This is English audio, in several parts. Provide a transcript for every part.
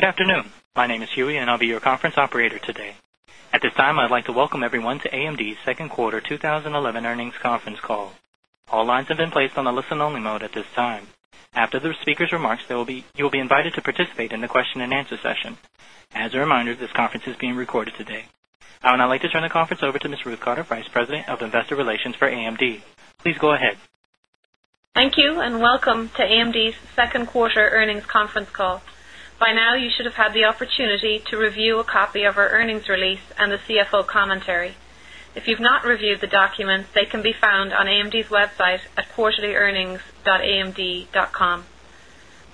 Good afternoon. My name is Huey, and I'll be your conference operator today. At this time, I'd like to welcome everyone to AMD's second quarter 2011 earnings conference call. All lines have been placed on the listen-only mode at this time. After the speaker's remarks, you will be invited to participate in the question and answer session. As a reminder, this conference is being recorded today. I would now like to turn the conference over to Ms. Ruth Cotter, Vice President of Investor Relations for AMD. Please go ahead. Thank you, and welcome to AMD's second quarter earnings conference call. By now, you should have had the opportunity to review a copy of our earnings release and the CFO commentary. If you've not reviewed the documents, they can be found on AMD's website at quarterlyearnings.amd.com.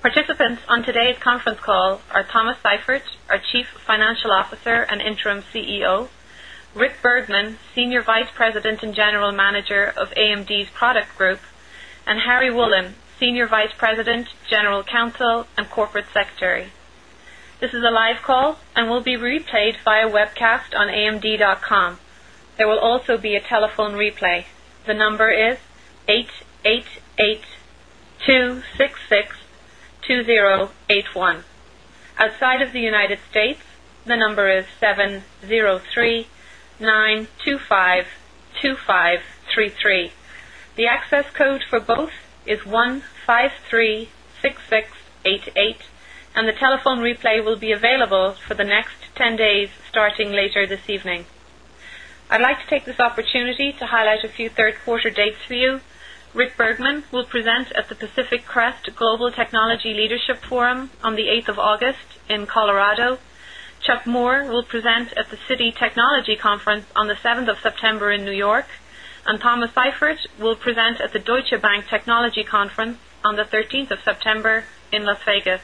Participants on today's conference call are Thomas Seifert, our Chief Financial Officer and Interim CEO, Rick Bergman, Senior Vice President and General Manager of AMD's Product Group, and Harry Wolin, Senior Vice President, General Counsel, and Corporate Secretary. This is a live call and will be replayed via webcast on AMD.com. There will also be a telephone replay. The number is 888-266-2081. Outside of the U.S., the number is 703-925-2533. The access code for both is 153-66-88, and the telephone replay will be available for the next 10 days, starting later this evening. I'd like to take this opportunity to highlight a few third-quarter dates for you. Rick Bergman will present at the Pacific Crest Global Technology Leadership Forum on the 8th of August in Colorado, Chuck Moore will present at the City Technology Conference on the 7th of September in New York, and Thomas Seifert will present at the Deutsche Bank Technology Conference on the 13th of September in Las Vegas.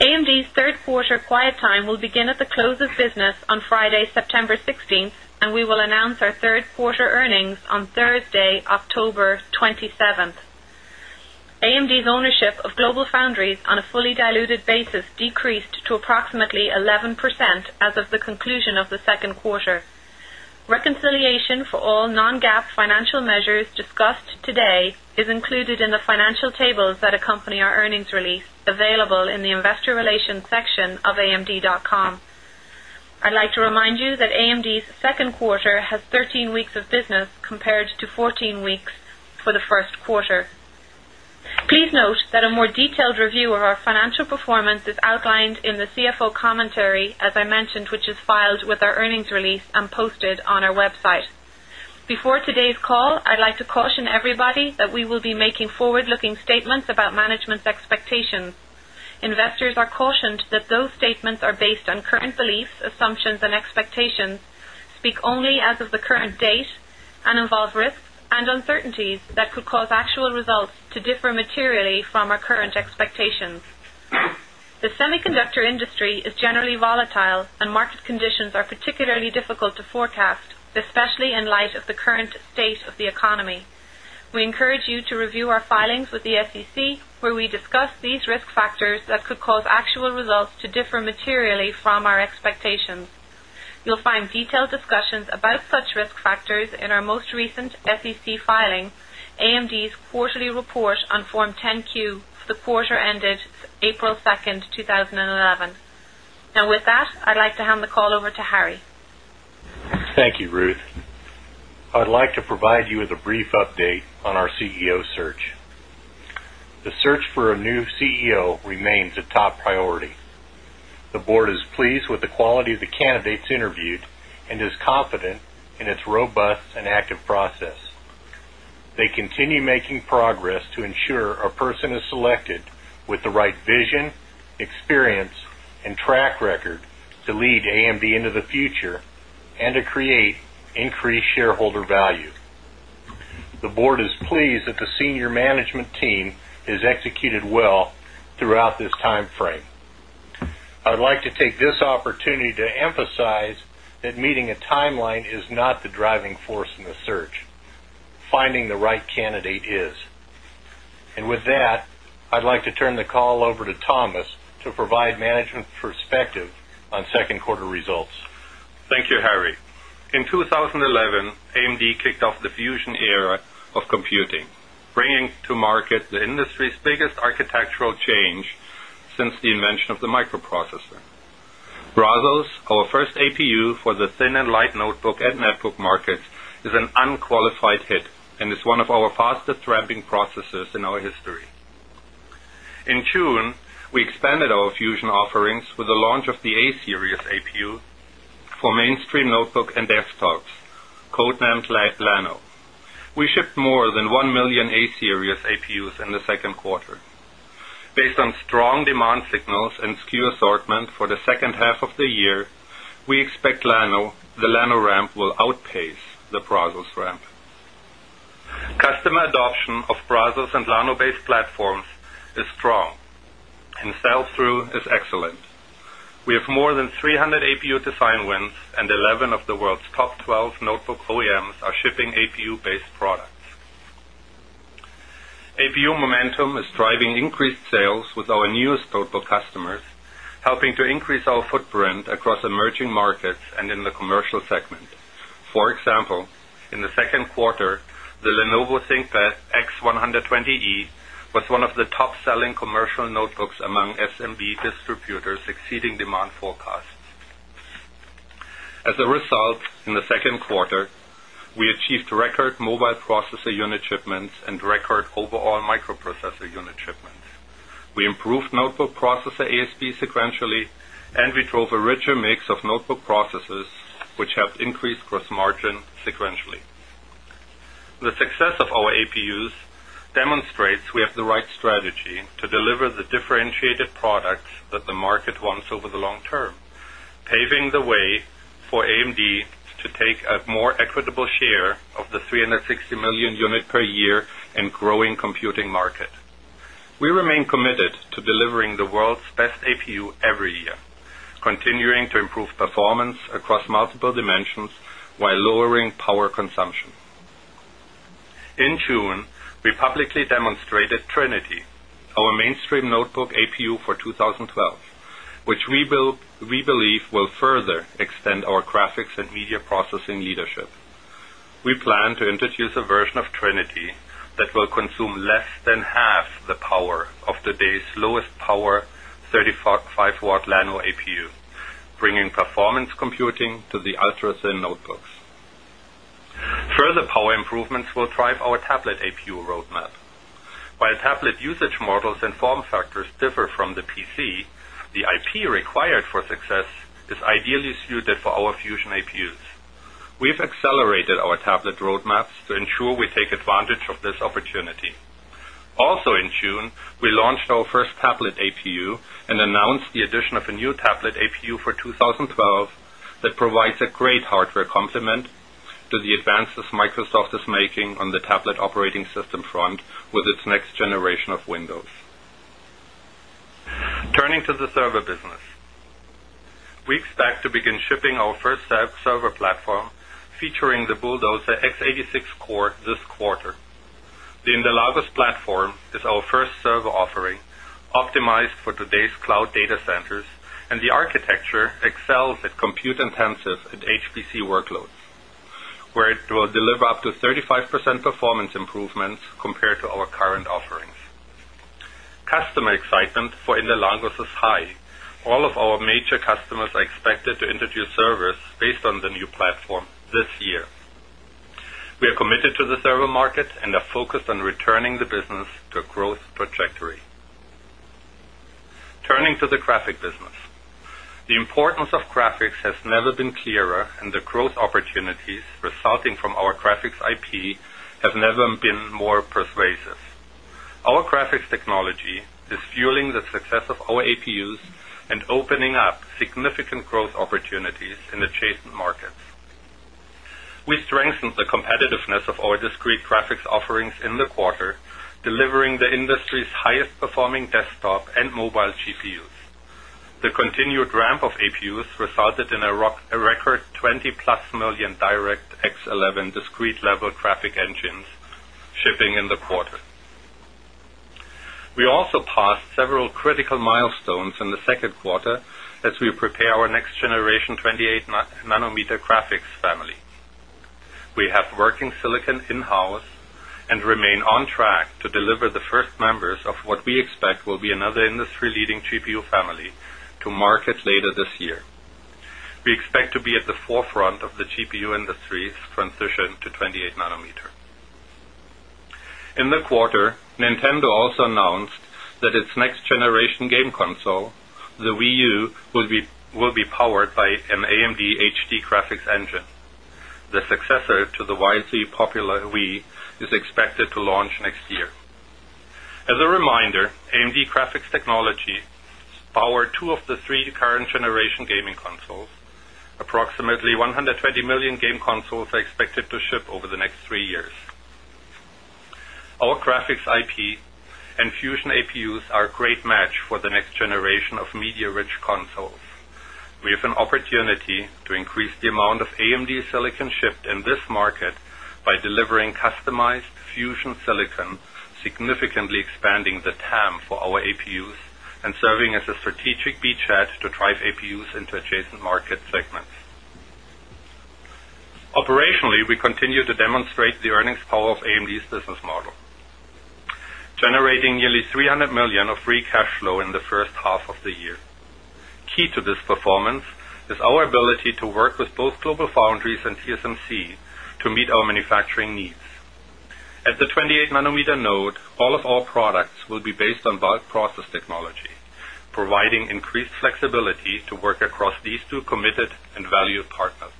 AMD's third-quarter quiet time will begin at the close of business on Friday, September 16th, and we will announce our third-quarter earnings on Thursday, October 27th. AMD's ownership of GlobalFoundries on a fully diluted basis decreased to approximately 11% as of the conclusion of the second quarter. Reconciliation for all non-GAAP financial measures discussed today is included in the financial tables that accompany our earnings release, available in the Investor Relations section of AMD.com. I'd like to remind you that AMD's second quarter has 13 weeks of business compared to 14 weeks for the first quarter. Please note that a more detailed review of our financial performance is outlined in the CFO commentary, as I mentioned, which is filed with our earnings release and posted on our website. Before today's call, I'd like to caution everybody that we will be making forward-looking statements about management's expectations. Investors are cautioned that those statements are based on current beliefs, assumptions, and expectations, speak only as of the current date, and involve risks and uncertainties that could cause actual results to differ materially from our current expectations. The semiconductor industry is generally volatile, and market conditions are particularly difficult to forecast, especially in light of the current state of the economy. We encourage you to review our filings with the SEC, where we discuss these risk factors that could cause actual results to differ materially from our expectations. You'll find detailed discussions about such risk factors in our most recent SEC filing, AMD's quarterly report on Form 10-Q for the quarter ended April 2nd, 2011. With that, I'd like to hand the call over to Harry. Thank you, Ruth. I'd like to provide you with a brief update on our CEO search. The search for a new CEO remains a top priority. The board is pleased with the quality of the candidates interviewed and is confident in its robust and active process. They continue making progress to ensure a person is selected with the right vision, experience, and track record to lead AMD into the future and to create increased shareholder value. The board is pleased that the senior management team has executed well throughout this timeframe. I would like to take this opportunity to emphasize that meeting a timeline is not the driving force in the search. Finding the right candidate is. With that, I'd like to turn the call over to Thomas to provide management's perspective on second-quarter results. Thank you, Harry. In 2011, AMD kicked off the fusion era of computing, bringing to market the industry's biggest architectural change since the invention of the microprocessor. Brazos, our first APU for the thin and light notebook and netbook markets, is an unqualified hit and is one of our fastest ramping processors in our history. In June, we expanded our fusion offerings with the launch of the A-series APU for mainstream notebook and desktops, codenamed Llano. We shipped more than 1 million A-series APUs in the second quarter. Based on strong demand signals and SKU assortment for the second half of the year, we expect Llano will outpace the Brazos ramp. Customer adoption of Brazos and Llano-based platforms is strong, and sell-through is excellent. We have more than 300 APU design wins, and 11 of the world's top 12 notebook OEMs are shipping APU-based products. APU momentum is driving increased sales with our newest notebook customers, helping to increase our footprint across emerging markets and in the commercial segment. For example, in the second quarter, the Lenovo ThinkPad X120e was one of the top-selling commercial notebooks among SMB distributors, exceeding demand forecasts. As a result, in the second quarter, we achieved record mobile processor unit shipments and record overall microprocessor unit shipments. We improved notebook processor ASP sequentially, and we drove a richer mix of notebook processors, which helped increase gross margin sequentially. The success of our APUs demonstrates we have the right strategy to deliver the differentiated products that the market wants over the long term, paving the way for AMD to take a more equitable share of the 360 million units per year and growing computing market. We remain committed to delivering the world's best APU every year, continuing to improve performance across multiple dimensions while lowering power consumption. In June, we publicly demonstrated Trinity, our mainstream notebook APU for 2012, which we believe will further extend our graphics and media processing leadership. We plan to introduce a version of Trinity that will consume less than half the power of today's lowest power 35 W Llano APU, bringing performance computing to the ultra-thin notebooks. Further power improvements will drive our tablet APU roadmap. While tablet usage models and form factors differ from the PC, the IP required for success is ideally suited for our fusion APUs. We've accelerated our tablet roadmaps to ensure we take advantage of this opportunity. Also, in June, we launched our first tablet APU and announced the addition of a new tablet APU for 2012 that provides a great hardware complement to the advances Microsoft is making on the tablet operating system front with its next generation of Windows. Turning to the server business, we expect to begin shipping our first server platform, featuring the Bulldozer x86 core this quarter. The Interlagos platform is our first server offering optimized for today's cloud data centers, and the architecture excels at compute-intensive and HPC workloads, where it will deliver up to 35% performance improvements compared to our current offerings. Customer excitement for Interlagos is high. All of our major customers are expected to introduce servers based on the new platform this year. We are committed to the server market and are focused on returning the business to a growth trajectory. Turning to the graphic business, the importance of graphics has never been clearer, and the growth opportunities resulting from our graphics IP have never been more persuasive. Our graphics technology is fueling the success of our APUs and opening up significant growth opportunities in adjacent markets. We strengthened the competitiveness of our discrete graphics offerings in the quarter, delivering the industry's highest-performing desktop and mobile GPUs. The continued ramp of APUs resulted in a record 20+ million DirectX 11 discrete-level graphic engines shipping in the quarter. We also passed several critical milestones in the second quarter as we prepare our next-generation 28 μm graphics family. We have working silicon in-house and remain on track to deliver the first members of what we expect will be another industry-leading GPU family to market later this year. We expect to be at the forefront of the GPU industry's transition to 28 μm. In the quarter, Nintendo also announced that its next-generation game console, the Wii U, will be powered by an AMD HD graphics engine. The successor to the widely popular Wii is expected to launch next year. As a reminder, AMD graphics technology powered two of the three current-generation gaming consoles. Approximately 120 million game consoles are expected to ship over the next three years. Our graphics IP and Fusion APUs are a great match for the next generation of media-rich consoles. We have an opportunity to increase the amount of AMD silicon shipped in this market by delivering customized Fusion silicon, significantly expanding the TAM for our APUs and serving as a strategic beachhead to drive APUs into adjacent market segments. Operationally, we continue to demonstrate the earnings power of AMD's business model, generating nearly $300 million of free cash flow in the first half of the year. Key to this performance is our ability to work with both GlobalFoundries and TSMC to meet our manufacturing needs. At the 28 μm node, all of our products will be based on bulk process technology, providing increased flexibility to work across these two committed and valued partners.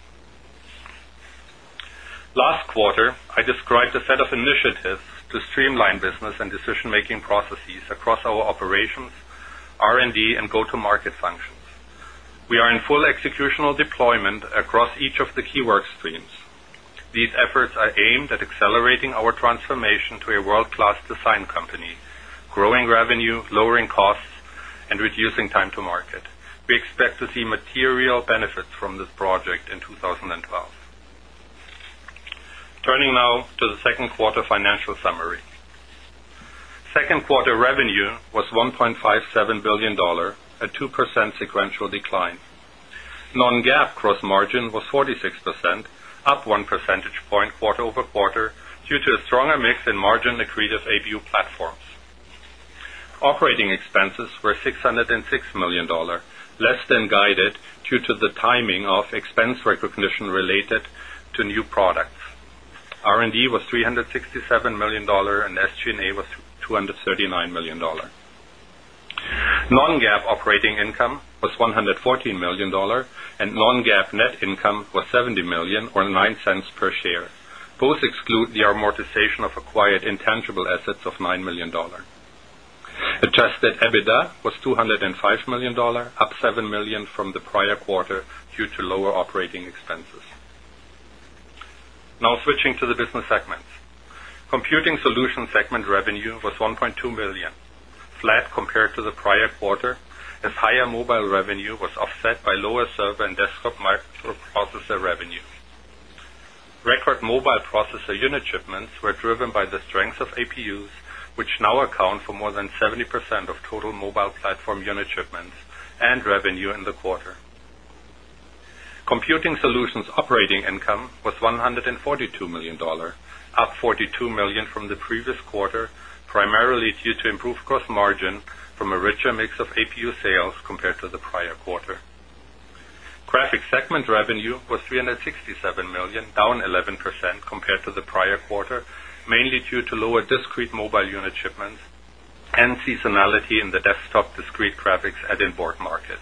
Last quarter, I described a set of initiatives to streamline business and decision-making processes across our operations, R&D, and go-to-market functions. We are in full executional deployment across each of the key workstreams. These efforts are aimed at accelerating our transformation to a world-class design company, growing revenue, lowering costs, and reducing time to market. We expect to see material benefits from this project in 2012. Turning now to the second quarter financial summary. Second quarter revenue was $1.57 billion, a 2% sequential decline. Non-GAAP gross margin was 46%, up 1 percentage point quarter over quarter due to a stronger mix in margin accretive APU platforms. Operating expenses were $606 million, less than guided due to the timing of expense recognition related to new products. R&D was $367 million, and SG&A was $239 million. Non-GAAP operating income was $114 million, and non-GAAP net income was $70 million or $0.09 per share. Both exclude the amortization of acquired intangible assets of $9 million. Adjusted EBITDA was $205 million, up $7 million from the prior quarter due to lower operating expenses. Now switching to the business segments. Computing Solutions segment revenue was $1.2 billion, flat compared to the prior quarter, as higher mobile revenue was offset by lower server and desktop microprocessor revenue. Record mobile processor unit shipments were driven by the strength of APUs, which now account for more than 70% of total mobile platform unit shipments and revenue in the quarter. Computing Solutions operating income was $142 million, up $42 million from the previous quarter, primarily due to improved gross margin from a richer mix of APU sales compared to the prior quarter. Graphics segment revenue was $367 million, down 11% compared to the prior quarter, mainly due to lower discrete mobile unit shipments and seasonality in the desktop discrete graphics add-in board market.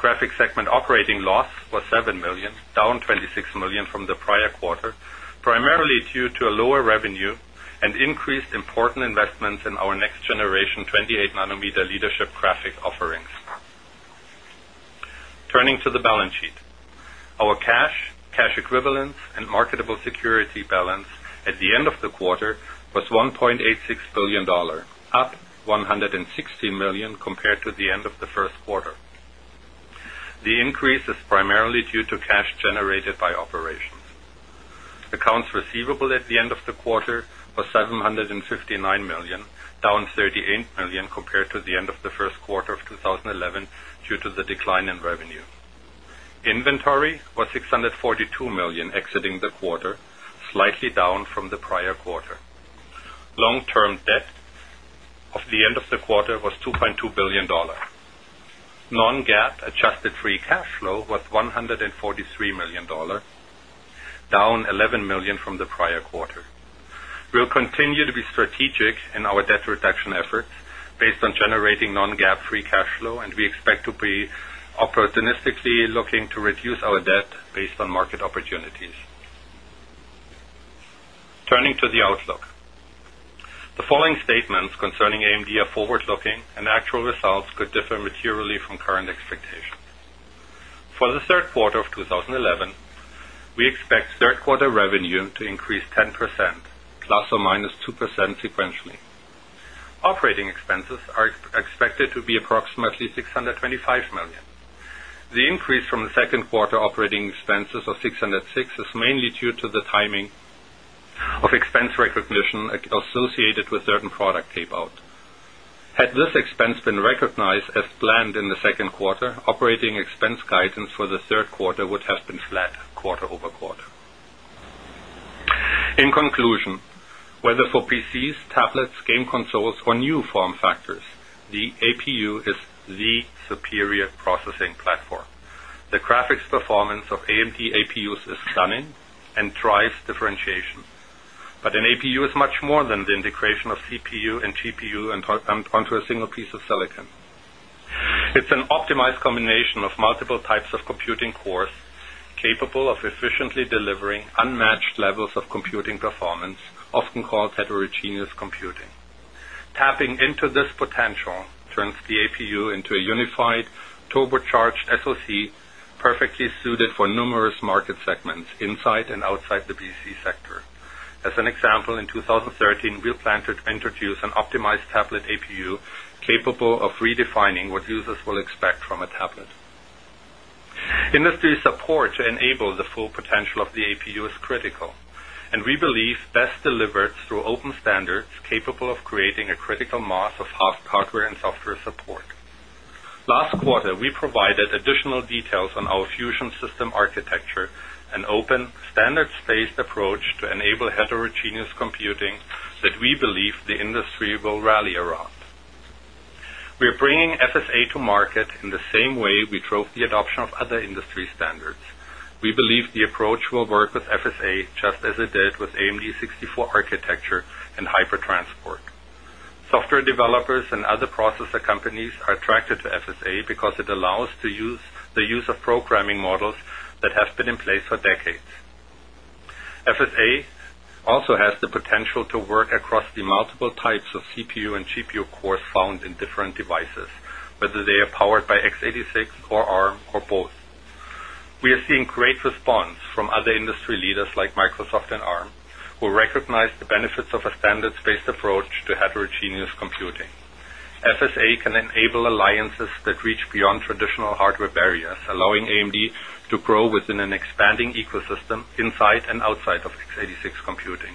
Graphics segment operating loss was $7 million, down $26 million from the prior quarter, primarily due to lower revenue and increased important investments in our next-generation 28 μm leadership graphics offerings. Turning to the balance sheet. Our cash, cash equivalents, and marketable securities balance at the end of the quarter was $1.86 billion, up $160 million compared to the end of the first quarter. The increase is primarily due to cash generated by operations. Accounts receivable at the end of the quarter were $759 million, down $38 million compared to the end of the first quarter of 2011 due to the decline in revenue. Inventory was $642 million exiting the quarter, slightly down from the prior quarter. Long-term debt at the end of the quarter was $2.2 billion. Non-GAAP adjusted free cash flow was $143 million, down $11 million from the prior quarter. We'll continue to be strategic in our debt reduction efforts based on generating non-GAAP free cash flow, and we expect to be opportunistically looking to reduce our debt based on market opportunities. Turning to the outlook. The following statements concerning AMD are forward-looking, and actual results could differ materially from current expectations. For the third quarter of 2011, we expect third-quarter revenue to increase 10%, ±2% sequentially. Operating expenses are expected to be approximately $625 million. The increase from the second quarter operating expenses of $606 million is mainly due to the timing of expense recognition associated with certain product tapeout. Had this expense been recognized as planned in the second quarter, operating expense guidance for the third quarter would have been flat quarter over quarter. In conclusion, whether for PCs, tablets, game consoles, or new form factors, the APU is the superior processing platform. The graphics performance of AMD APUs is stunning and drives differentiation. An APU is much more than the integration of CPU and GPU onto a single piece of silicon. It's an optimized combination of multiple types of computing cores capable of efficiently delivering unmatched levels of computing performance, often called heterogeneous computing. Tapping into this potential turns the APU into a unified, turbocharged SoC perfectly suited for numerous market segments inside and outside the PC sector. As an example, in 2013, we plan to introduce an optimized tablet APU capable of redefining what users will expect from a tablet. Industry support to enable the full potential of the APU is critical, and we believe best delivered through open standards capable of creating a critical mass of fast hardware and software support. Last quarter, we provided additional details on our Fusion System Architecture, an open, standards-based approach to enable heterogeneous computing that we believe the industry will rally around. We are bringing FSA to market in the same way we drove the adoption of other industry standards. We believe the approach will work with FSA just as it did with AMD's 64 architecture and HyperTransport. Software developers and other processor companies are attracted to FSA because it allows the use of programming models that have been in place for decades. FSA also has the potential to work across the multiple types of CPU and GPU cores found in different devices, whether they are powered by x86 or ARM or both. We are seeing great response from other industry leaders like Microsoft and ARM, who recognize the benefits of a standards-based approach to heterogeneous computing. FSA can enable alliances that reach beyond traditional hardware barriers, allowing AMD to grow within an expanding ecosystem inside and outside of x86 computing.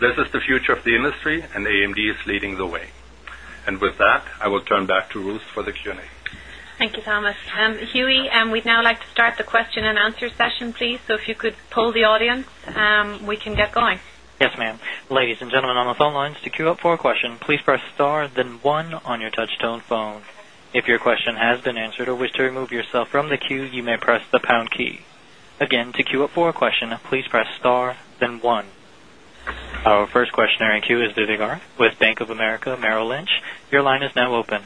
This is the future of the industry, and AMD is leading the way. I will turn back to Ruth for the Q&A. Thank you, Thomas. Huey, we'd now like to start the question and answer session, please. If you could poll the audience, we can get going. Yes, ma'am. Ladies and gentlemen on the phone lines, to queue up for a question, please press star, then one on your touch-tone phone. If your question has been answered or wish to remove yourself from the queue, you may press the pound key. Again, to queue up for a question, please press star, then one. Our first questioner in queue is Vivek Arya with Bank of America Merrill Lynch. Your line is now open.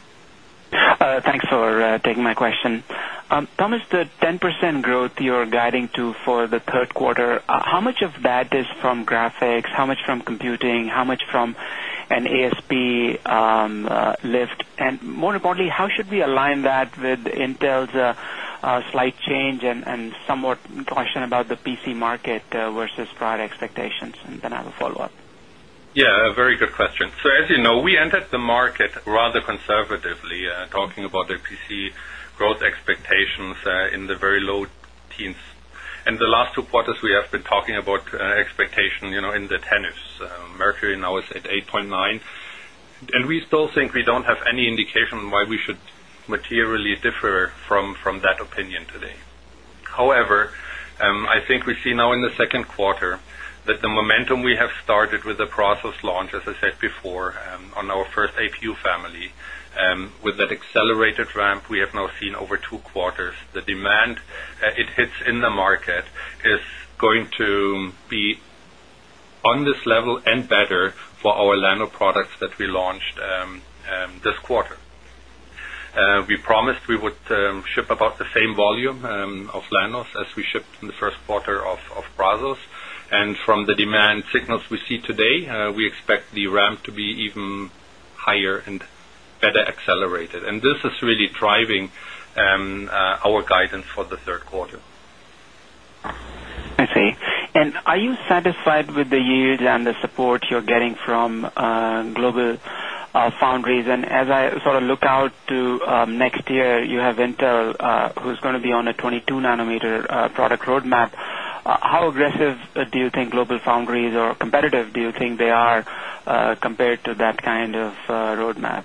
Thanks for taking my question. Thomas, the 10% growth you're guiding to for the third quarter, how much of that is from graphics, how much from computing, how much from an ASP lift, and more importantly, how should we align that with Intel's slight change and somewhat caution about the PC market versus broad expectations? I will follow up. Yeah, a very good question. As you know, we entered the market rather conservatively, talking about the PC growth expectations in the very low teens. In the last two quarters, we have been talking about expectation in the 10%. Mercury now is at 8.9%, and we still think we don't have any indication why we should materially differ from that opinion today. However, I think we see now in the second quarter that the momentum we have started with the process launch, as I said before, on our first APU family, with that accelerated ramp we have now seen over two quarters. The demand it hits in the market is going to be on this level and better for our Llano products that we launched this quarter. We promised we would ship about the same volume of Llanos as we shipped in the first quarter of Brazos. From the demand signals we see today, we expect the ramp to be even higher and better accelerated. This is really driving our guidance for the third quarter. I see. Are you satisfied with the yield and the support you're getting from GlobalFoundries? As I sort of look out to next year, you have Intel, who's going to be on a 22 μm product roadmap. How aggressive do you think GlobalFoundries or competitive do you think they are compared to that kind of roadmap?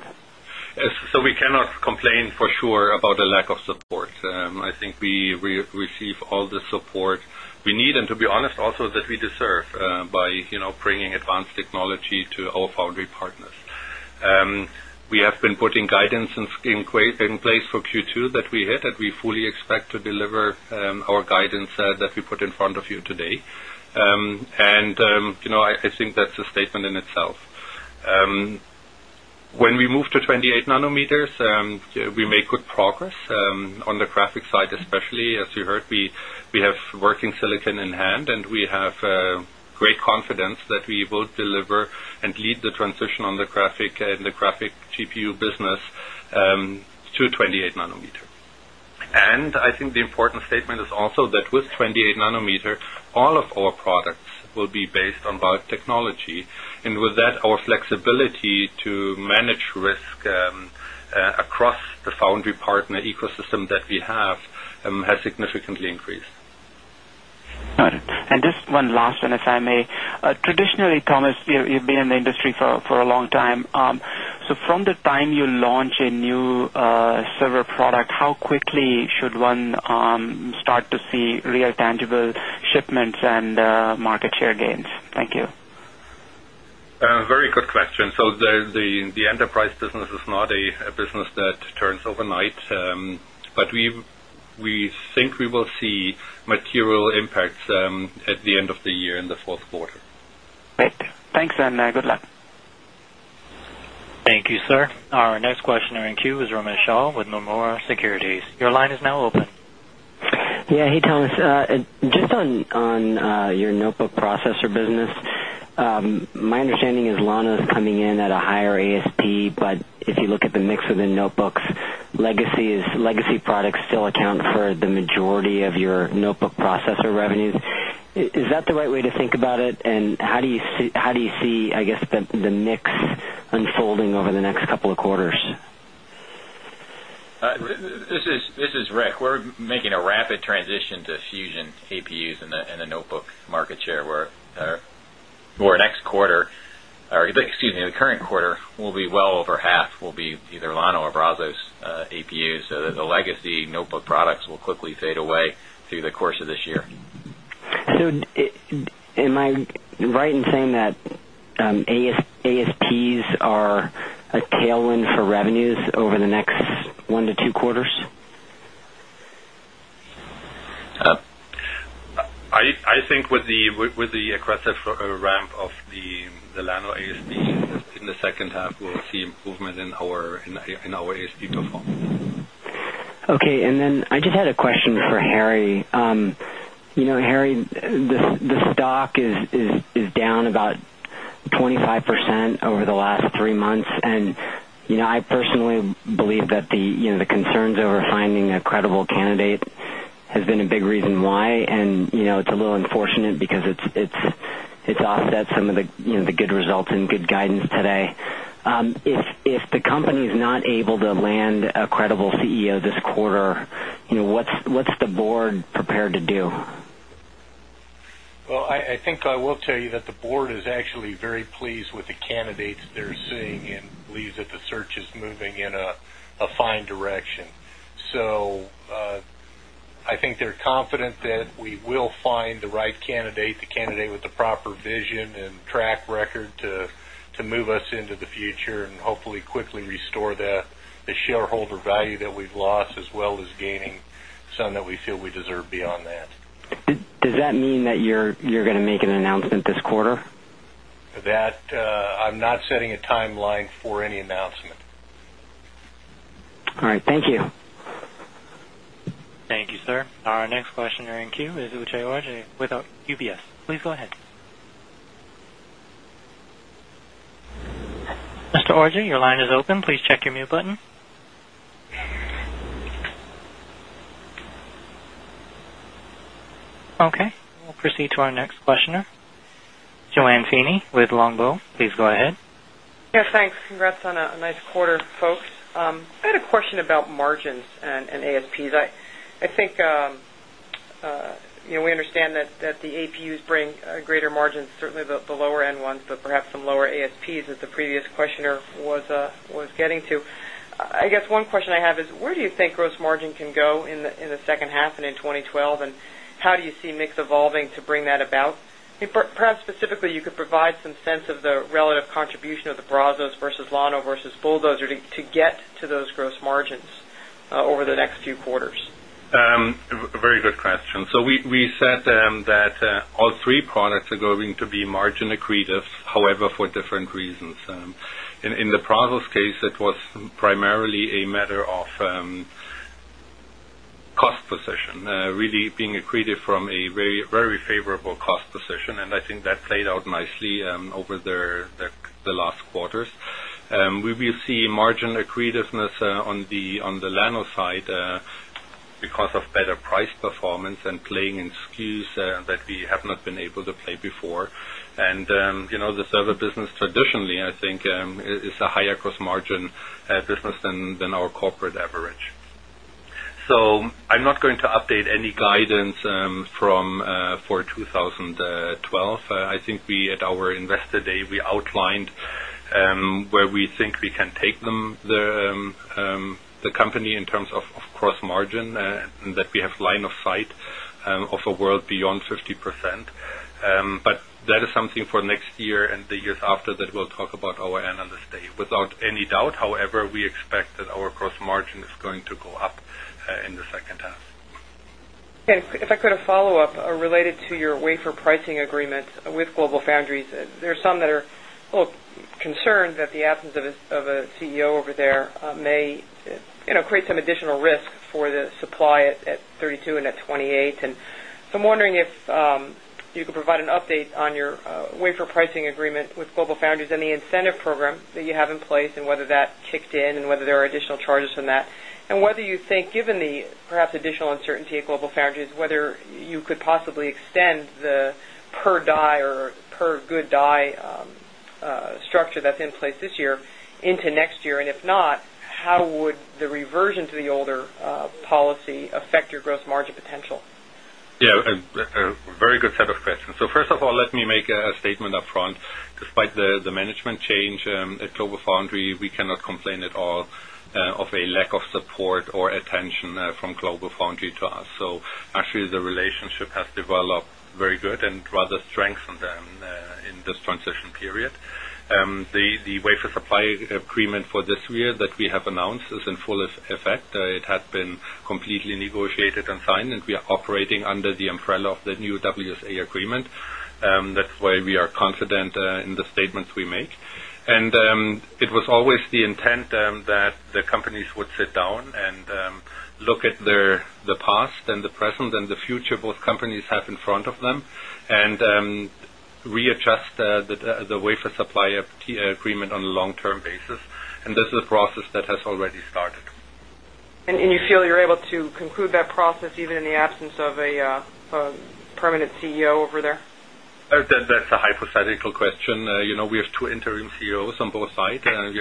We cannot complain for sure about the lack of support. I think we receive all the support we need, and to be honest, also that we deserve by bringing advanced technology to our foundry partners. We have been putting guidance in place for Q2 that we had, that we fully expect to deliver our guidance that we put in front of you today. I think that's a statement in itself. When we move to 28 μm, we make good progress on the graphic side, especially. As you heard, we have working silicon in hand, and we have great confidence that we will deliver and lead the transition on the graphic and the graphic GPU business to 28 μm. I think the important statement is also that with 28 μm, all of our products will be based on both technology. With that, our flexibility to manage risk across the foundry partner ecosystem that we have has significantly increased. Got it. Just one last one, if I may. Traditionally, Thomas, you've been in the industry for a long time. From the time you launch a new server product, how quickly should one start to see real tangible shipments and market share gains? Thank you. Very good question. The enterprise business is not a business that turns overnight, but we think we will see material impacts at the end of the year in the fourth quarter. Great. Thanks, and good luck. Thank you, sir. Our next question in queue is Romit Shah with Nomura Securities. Your line is now open. Yeah, hey, Thomas. Just on your notebook processor business, my understanding is Llano is coming in at a higher ASP. If you look at the mix within notebooks, legacy products still account for the majority of your notebook processor revenue. Is that the right way to think about it? How do you see, I guess, the mix unfolding over the next couple of quarters? This is Rick. We're making a rapid transition to Fusion APUs in the notebook market share, where the current quarter will be well over half will be either Llano or Brazos APUs. The legacy notebook products will quickly fade away through the course of this year. Am I right in saying that ASPs are a tailwind for revenues over the next one to two quarters? I think with the aggressive ramp of the Llano ASP in the second half, we'll see improvement in our ASP performance. OK. I just had a question for Harry. Harry, the stock is down about 25% over the last three months. I personally believe that the concerns over finding a credible candidate have been a big reason why. It's a little unfortunate because it's offset some of the good results and good guidance today. If the company is not able to land a credible CEO this quarter, what's the board prepared to do? I think I will tell you that the board is actually very pleased with the candidates they're seeing and believes that the search is moving in a fine direction. I think they're confident that we will find the right candidate, the candidate with the proper vision and track record to move us into the future and hopefully quickly restore the shareholder value that we've lost, as well as gaining some that we feel we deserve beyond that. Does that mean that you're going to make an announcement this quarter? I'm not setting a timeline for any announcement. All right. Thank you. Thank you, sir. Our next questioner in queue is Vijay Raja with UBS. Please go ahead. Mr. Raja, your line is open. Please check your mute button. OK, we'll proceed to our next questioner. JoAnne Feeney with Longbow. with Longbow. Please go ahead. Yeah, thanks. Congrats on a nice quarter, folks. I had a question about margins and ASPs. I think we understand that the APUs bring greater margins, certainly the lower-end ones, but perhaps some lower ASPs that the previous questioner was getting to. I guess one question I have is, where do you think gross margin can go in the second half and in 2012, and how do you see mix evolving to bring that about? Perhaps specifically, you could provide some sense of the relative contribution of the Brazos versus Llano versus Bulldozer to get to those gross margins over the next few quarters. Very good question. We said that all three products are going to be margin accretive, however, for different reasons. In the Brazos case, it was primarily a matter of cost position, really being accretive from a very favorable cost position. I think that played out nicely over the last quarters. We will see margin accretiveness on the Llano side because of better price performance and playing in SKUs that we have not been able to play before. The server business traditionally, I think, is a higher gross margin business than our corporate average. I'm not going to update any guidance for 2012. I think at our investor day, we outlined where we think we can take the company in terms of gross margin and that we have line of sight of a world beyond 50%. That is something for next year and the years after that we'll talk about at our analyst day. Without any doubt, however, we expect that our gross margin is going to go up in the second half. If I could follow up related to your wafer pricing agreement with GlobalFoundries, there are some that are a little concerned that the absence of a CEO over there may create some additional risk for the supply at 32 μm and at 28 μm. I'm wondering if you could provide an update on your wafer pricing agreement with GlobalFoundries and the incentive program that you have in place, whether that kicked in, and whether there are additional charges from that, and whether you think, given the perhaps additional uncertainty at GlobalFoundries, you could possibly extend the per die or per good die structure that's in place this year into next year. If not, how would the reversion to the older policy affect your gross margin potential? Yeah, a very good set of questions. First of all, let me make a statement upfront. Despite the management change at GlobalFoundries, we cannot complain at all of a lack of support or attention from GlobalFoundries to us. Actually, the relationship has developed very good and rather strengthened in this transition period. The wafer supply agreement for this year that we have announced is in full effect. It had been completely negotiated and signed, and we are operating under the umbrella of the new WSA agreement. That is why we are confident in the statements we make. It was always the intent that the companies would sit down and look at the past and the present and the future both companies have in front of them and readjust the wafer supply agreement on a long-term basis. This is a process that has already started. Do you feel you're able to conclude that process even in the absence of a permanent CEO over there? That's a hypothetical question. We have two interim CEOs on both sides, and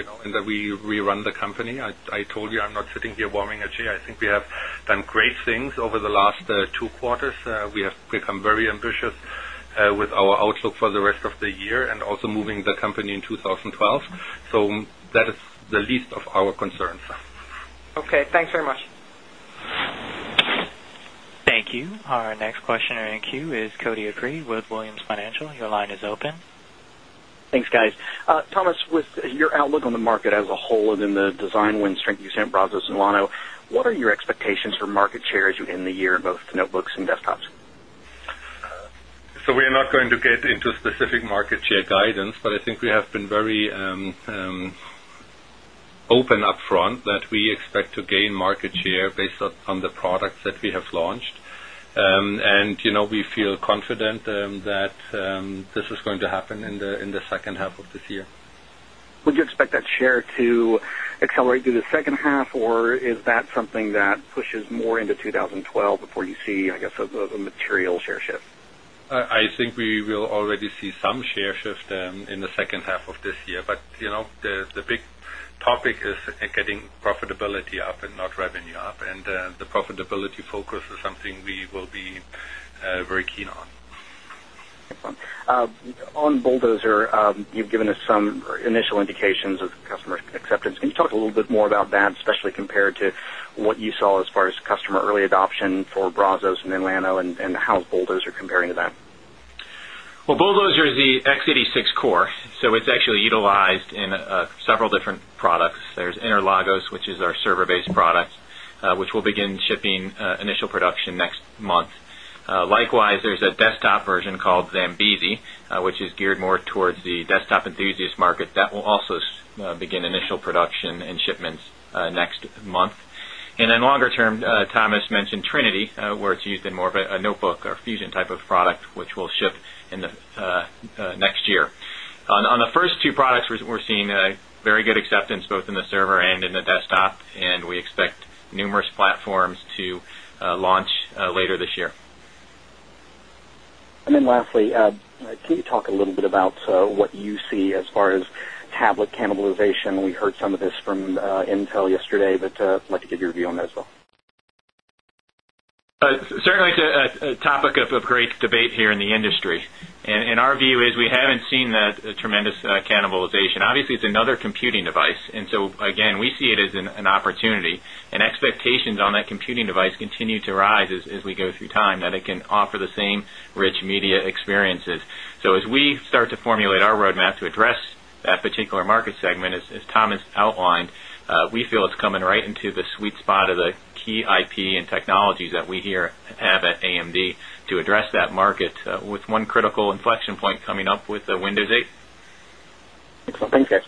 we run the company. I told you I'm not sitting here worrying, Jay. I think we have done great things over the last two quarters. We have become very ambitious with our outlook for the rest of the year and also moving the company in 2012. That is the least of our concerns. OK, thanks very much. Thank you. Our next questioner in queue is Cody Acree with Williams Financial. Your line is open. Thanks, guys. Thomas, with your outlook on the market as a whole and in the design wins, trend you see in Brazos and Llano, what are your expectations for market shares in the year, both the notebooks and desktops? We are not going to get into specific market share guidance, but I think we have been very open upfront that we expect to gain market share based on the products that we have launched. We feel confident that this is going to happen in the second half of this year. Would you expect that share to accelerate through the second half, or is that something that pushes more into 2012 before you see, I guess, a material share shift? I think we will already see some share shift in the second half of this year. The big topic is getting profitability up and not revenue up. The profitability focus is something we will be very keen on. Excellent. On Bulldozer, you've given us some initial indications of customer acceptance. Can you talk a little bit more about that, especially compared to what you saw as far as customer early adoption for Brazos and Llano, and how is Bulldozer comparing to that? Bulldozer is the x86 core. It's actually utilized in several different products. There's the Bulldozer-based Interlagos platform, which is our server-based product, which will begin shipping initial production next month. Likewise, there's a desktop version called Zambezi, which is geared more towards the desktop enthusiast market. That will also begin initial production and shipments next month. In longer term, Thomas mentioned Trinity, where it's used in more of a notebook or Fusion type of product, which will ship next year. On the first two products, we're seeing very good acceptance both in the server and in the desktop. We expect numerous platforms to launch later this year. Lastly, can you talk a little bit about what you see as far as tablet cannibalization? We heard some of this from Intel yesterday, but I'd like to get your view on that as well. Certainly, it's a topic of great debate here in the industry. Our view is we haven't seen a tremendous cannibalization. Obviously, it's another computing device. We see it as an opportunity, and expectations on that computing device continue to rise as we go through time, that it can offer the same rich media experiences. As we start to formulate our roadmap to address that particular market segment, as Thomas outlined, we feel it's coming right into the sweet spot of the key IP and technologies that we have at AMD to address that market with one critical inflection point coming up with Windows 8. Excellent. Thanks, guys.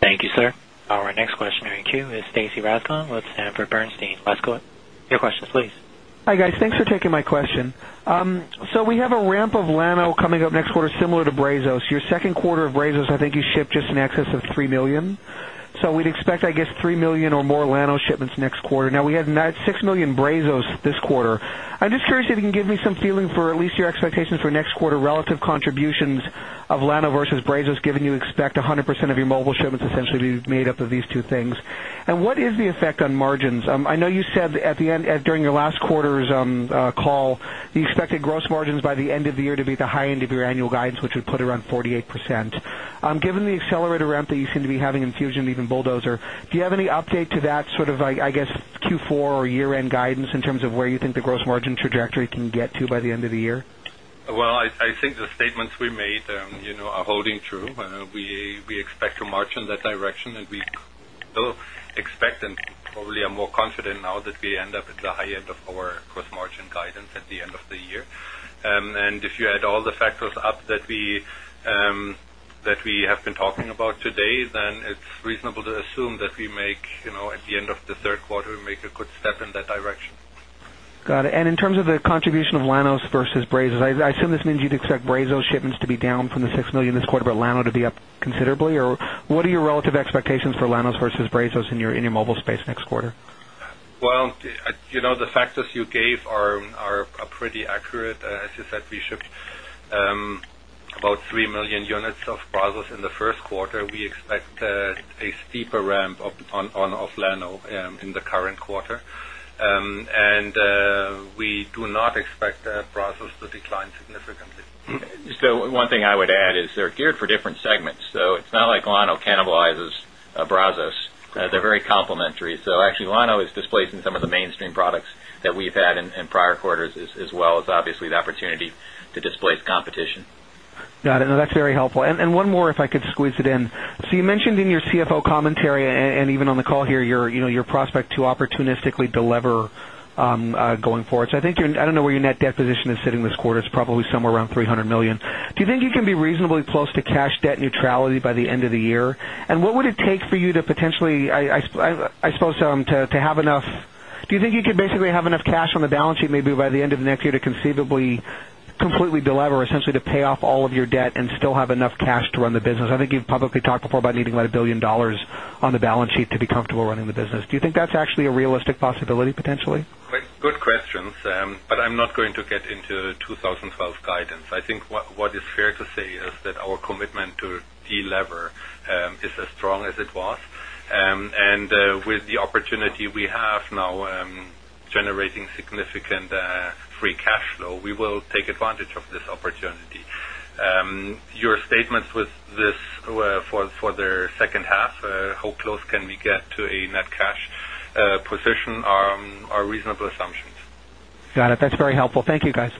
Thank you, sir. Our next questioner in queue is Stacy Rasgon. Let's have Bernstein last quarter. Your questions, please. Hi, guys. Thanks for taking my question. We have a ramp of Llano coming up next quarter, similar to Brazos. Your second quarter of Brazos, I think you shipped just in excess of 3 million. We'd expect, I guess, 3 million or more Llano shipments next quarter. We had 6 million Brazos this quarter. I'm just curious if you can give me some feeling for at least your expectations for next quarter relative contributions of Llano versus Brazos, given you expect 100% of your mobile shipments essentially to be made up of these two things. What is the effect on margins? I know you said at the end during your last quarter's call, you expected gross margins by the end of the year to be at the high end of your annual guidance, which would put around 48%. Given the accelerated ramp that you seem to be having in Fusion and even Bulldozer, do you have any update to that sort of, I guess, Q4 or year-end guidance in terms of where you think the gross margin trajectory can get to by the end of the year? I think the statements we made are holding true. We expect a march in that direction. We still expect and probably are more confident now that we end up at the high end of our gross margin guidance at the end of the year. If you add all the factors up that we have been talking about today, then it's reasonable to assume that we make, at the end of the third quarter, we make a good step in that direction. Got it. In terms of the contribution of Llano versus Brazos, I assume this means you'd expect Brazos shipments to be down from the 6 million this quarter, but Llano to be up considerably. What are your relative expectations for Llano versus Brazos in your mobile space next quarter? The factors you gave are pretty accurate. As you said, we shipped about 3 million units of Brazos in the first quarter. We expect a steeper ramp of Llano in the current quarter, and we do not expect Brazos to decline significantly. One thing I would add is they're geared for different segments. It's not like Llano cannibalizes Brazos. They're very complementary. Llano is displacing some of the mainstream products that we've had in prior quarters, as well as obviously the opportunity to displace competition. Got it. No, that's very helpful. One more, if I could squeeze it in. You mentioned in your CFO commentary and even on the call here, your prospect to opportunistically deliver going forward. I don't know where your net debt position is sitting this quarter. It's probably somewhere around $300 million. Do you think you can be reasonably close to cash debt neutrality by the end of the year? What would it take for you to potentially, I suppose, to have enough, do you think you could basically have enough cash on the balance sheet maybe by the end of next year to conceivably completely deliver or essentially to pay off all of your debt and still have enough cash to run the business? I think you've publicly talked before about needing to let $1 billion on the balance sheet to be comfortable running the business. Do you think that's actually a realistic possibility potentially? Good questions. I'm not going to get into 2012 guidance. I think what is fair to say is that our commitment to deliver is as strong as it was. With the opportunity we have now generating significant free cash flow, we will take advantage of this opportunity. Your statements with this for the second half, how close can we get to a net cash position, are reasonable assumptions. Got it. That's very helpful. Thank you, guys.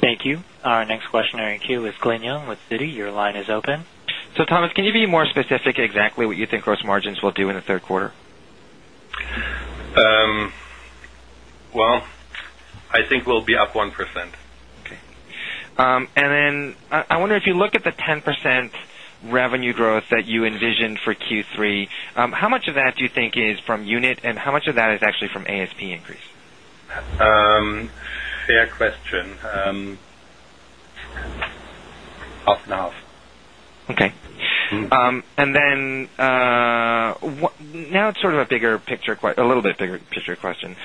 Thank you. Our next questioner in queue is Glen Yeung with Citi. Your line is open. Thomas, can you be more specific exactly what you think gross margins will do in the third quarter? I think we'll be up 1%. OK. I wonder if you look at the 10% revenue growth that you envisioned for Q3, how much of that do you think is from unit and how much of that is actually from ASP increase? Fair question. Half and half. OK. Now it's sort of a bigger picture, a little bit bigger picture question.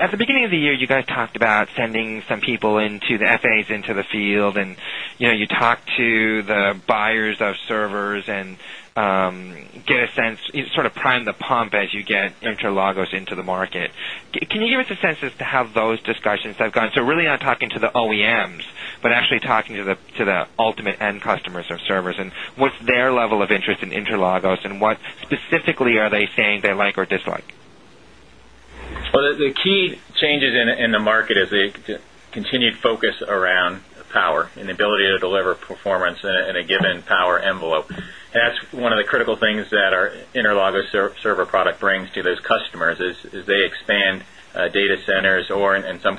At the beginning of the year, you guys talked about sending some people into the FAs into the field, and you talked to the buyers of servers and get a sense, sort of prime the pump as you get Interlagos into the market. Can you give us a sense as to how those discussions have gone? Really not talking to the OEMs, but actually talking to the ultimate end customers of servers and what's their level of interest in Interlagos and what specifically are they saying they like or dislike? The key changes in the market are the continued focus around power and the ability to deliver performance in a given power envelope. That's one of the critical things that our Bulldozer-based Interlagos platform brings to those customers as they expand data centers or, in some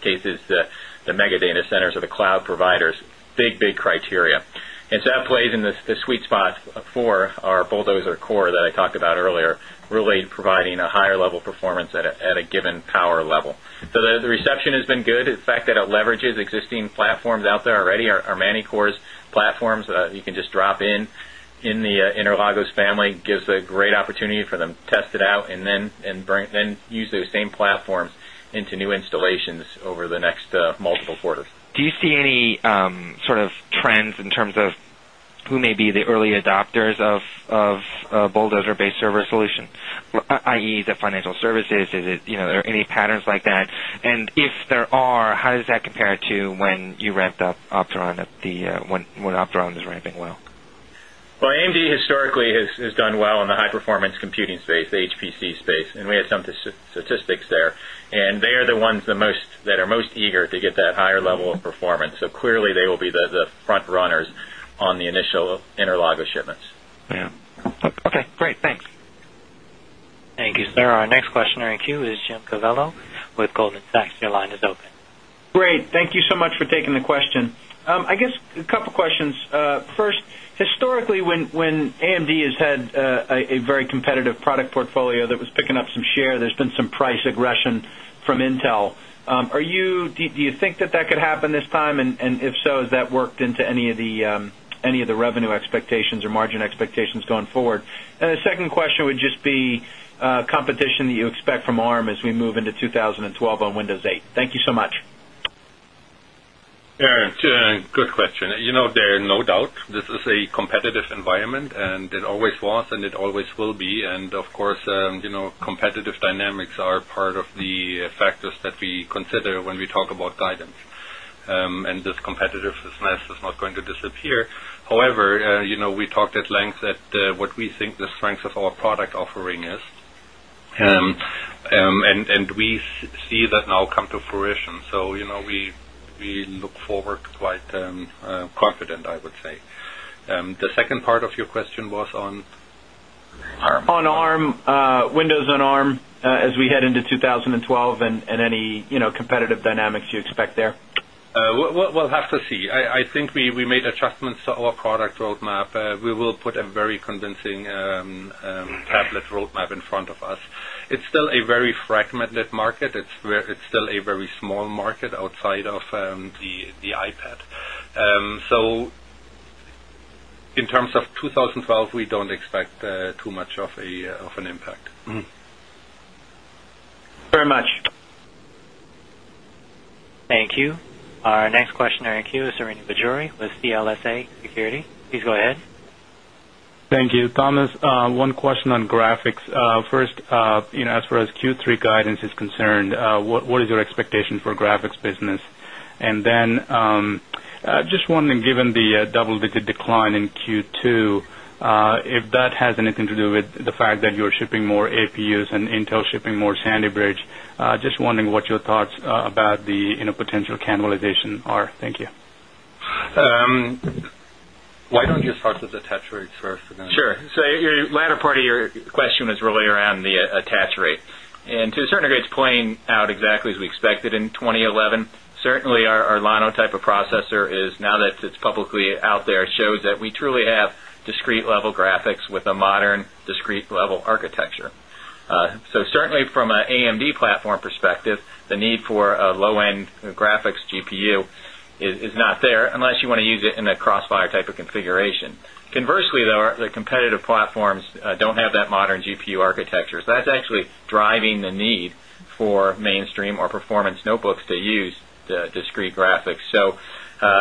cases, the mega data centers or the cloud providers, big, big criteria. That plays in the sweet spot for our Bulldozer core that I talked about earlier, really providing a higher level of performance at a given power level. The reception has been good. The fact that it leverages existing platforms out there already, our platforms you can just drop in the Interlagos family, gives a great opportunity for them to test it out and then use those same platforms into new installations over the next multiple quarters. Do you see any sort of trends in terms of who may be the early adopters of a Bulldozer-based server solution, i.e., the financial services? Are there any patterns like that? If there are, how does that compare to when you ramped up Opteron when Opteron was ramping well? AMD historically has done well in the high-performance computing space, the HPC space. We had some statistics there. They are the ones that are most eager to get that higher level of performance. Clearly, they will be the front runners on the initial Interlagos shipments. Great, thanks. Thank you, sir. Our next questioner in queue is Jim Covello with Goldman Sachs. Your line is open. Great. Thank you so much for taking the question. I guess a couple of questions. First, historically, when AMD has had a very competitive product portfolio that was picking up some share, there's been some price aggression from Intel. Do you think that that could happen this time? If so, is that worked into any of the revenue expectations or margin expectations going forward? The second question would just be competition that you expect from ARM as we move into 2012 on Windows 8. Thank you so much. Good question. There's no doubt this is a competitive environment, it always was, and it always will be. Of course, competitive dynamics are part of the factors that we consider when we talk about guidance. This competitiveness is not going to disappear. However, we talked at length about what we think the strength of our product offering is, and we see that now come to fruition. We look forward to quite confident, I would say. The second part of your question was on ARM. On ARM. Windows on ARM as we head into 2012, and any competitive dynamics you expect there. I think we made adjustments to our product roadmap. We will put a very convincing tablet roadmap in front of us. It's still a very fragmented market. It's still a very small market outside of the iPad. In terms of 2012, we don't expect too much of an impact. Very much. Thank you. Our next questioner in queue is Srini Pajjuri with CLSA Securities. Please go ahead. Thank you, Thomas. One question on graphics. First, as far as Q3 guidance is concerned, what is your expectation for the graphics business? I am just wondering, given the double-digit decline in Q2, if that has anything to do with the fact that you're shipping more APUs and Intel shipping more Sandy Bridge, just wondering what your thoughts about the potential cannibalization are. Thank you. Why don't you start with the attach rates first and then? Sure. The latter part of your question was really around the attach rate. To a certain degree, it's playing out exactly as we expected in 2011. Certainly, our Llano type of processor, now that it's publicly out there, shows that we truly have discrete-level graphics with a modern discrete-level architecture. From an AMD platform perspective, the need for a low-end graphics GPU is not there unless you want to use it in a crossfire type of configuration. Conversely, the competitive platforms don't have that modern GPU architecture. That's actually driving the need for mainstream or performance notebooks to use discrete graphics.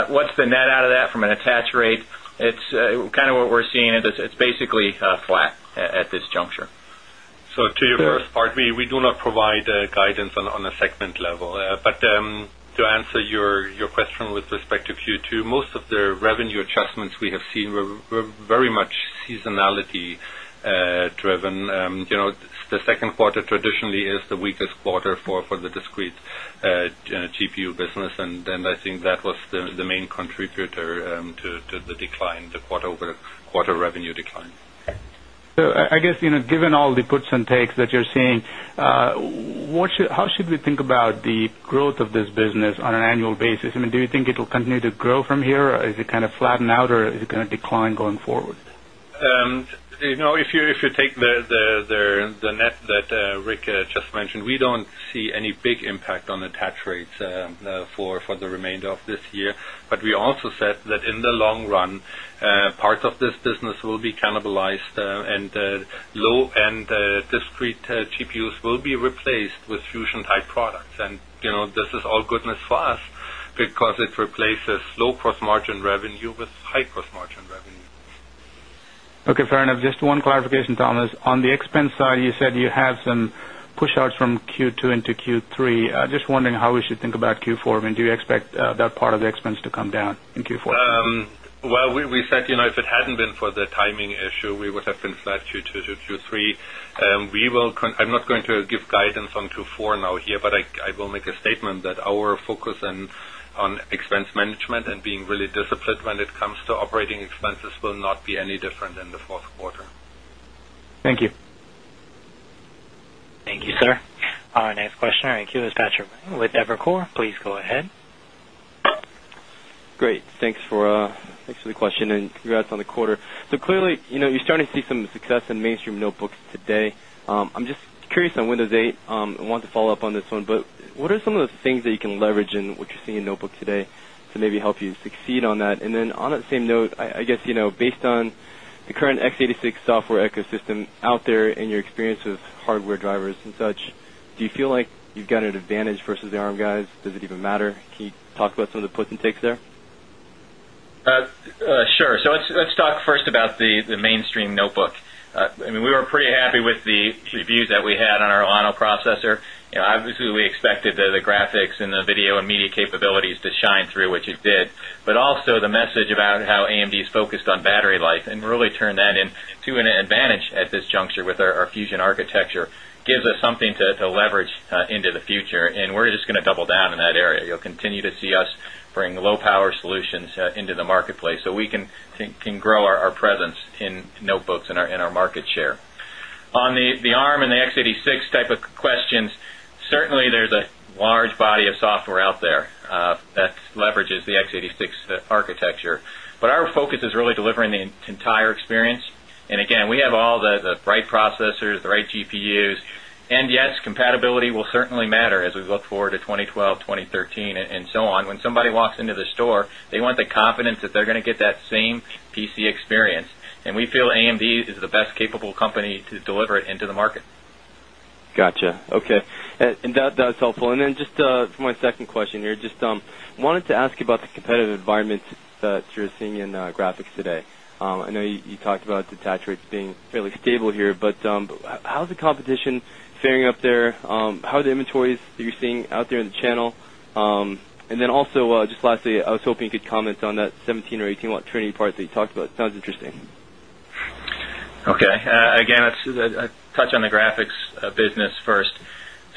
What's the net out of that from an attach rate? It's kind of what we're seeing at this. It's basically flat at this juncture. To your first part, we do not provide guidance on a segment level. To answer your question with respect to Q2, most of the revenue adjustments we have seen were very much seasonality-driven. The second quarter traditionally is the weakest quarter for the discrete GPU business. I think that was the main contributor to the decline, the quarter-over-quarter revenue decline. Given all the puts and takes that you're seeing, how should we think about the growth of this business on an annual basis? I mean, do you think it'll continue to grow from here? Is it kind of flattened out, or is it going to decline going forward? If you take the net that Rick just mentioned, we don't see any big impact on attach rates for the remainder of this year. We also said that in the long run, parts of this business will be cannibalized, and low-end discrete GPUs will be replaced with Fusion-type products. This is all goodness for us because it replaces low gross margin revenue with high gross margin revenue. OK. Fair enough. Just one clarification, Thomas. On the expense side, you said you have some push-outs from Q2 into Q3. Just wondering how we should think about Q4. I mean, do you expect that part of the expense to come down in Q4? If it hadn't been for the timing issue, we would have been flat Q2 to Q3. I'm not going to give guidance on Q4 now here, but I will make a statement that our focus on expense management and being really disciplined when it comes to operating expenses will not be any different than the fourth quarter. Thank you. Thank you, sir. Our next questioner in queue is Patrick Wang with Evercore. Please go ahead. Great. Thanks for the question and congrats on the quarter. Clearly, you're starting to see some success in mainstream notebooks today. I'm just curious on Windows 8. I want to follow up on this one. What are some of the things that you can leverage in what you're seeing in notebooks today to maybe help you succeed on that? On that same note, I guess based on the current x86 software ecosystem out there and your experience with hardware drivers and such, do you feel like you've got an advantage versus the ARM guys? Does it even matter? Can you talk about some of the puts and takes there? Sure. Let's talk first about the mainstream notebook. We were pretty happy with the reviews that we had on our Llano platform. Obviously, we expected the graphics and the video and media capabilities to shine through, which it did. The message about how AMD is focused on battery life and really turned that into an advantage at this juncture with our Fusion System Architecture gives us something to leverage into the future. We're just going to double down in that area. You'll continue to see us bring low-power solutions into the marketplace so we can grow our presence in notebooks and our market share. On the ARM and the x86 type of questions, certainly there's a large body of software out there that leverages the x86 architecture. Our focus is really delivering the entire experience. We have all the right processors, the right GPUs. Yes, compatibility will certainly matter as we look forward to 2012, 2013, and so on. When somebody walks into the store, they want the confidence that they're going to get that same PC experience. We feel AMD is the best capable company to deliver it into the market. Gotcha. OK. That's helpful. For my second question here, I just wanted to ask you about the competitive environments that you're seeing in graphics today. I know you talked about attach rates being fairly stable here. How's the competition faring up there? How are the inventories that you're seeing out there in the channel? Also, just lastly, I was hoping you could comment on that 17 W or 18 W Trinity part that you talked about. It sounds interesting. OK. I'll touch on the graphics business first.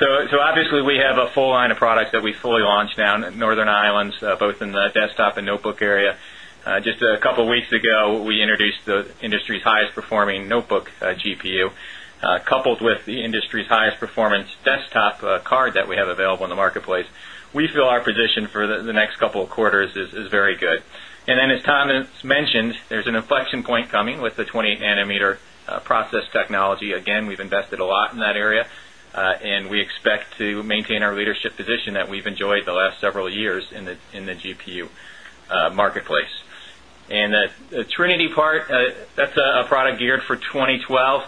Obviously, we have a full line of products that we fully launched now in Northern Islands, both in the desktop and notebook area. Just a couple of weeks ago, we introduced the industry's highest performing notebook GPU, coupled with the industry's highest performance desktop card that we have available in the marketplace. We feel our position for the next couple of quarters is very good. As Thomas mentioned, there's an inflection point coming with the 28 μm process technology. We've invested a lot in that area, and we expect to maintain our leadership position that we've enjoyed the last several years in the GPU marketplace. The Trinity part, that's a product geared for 2012.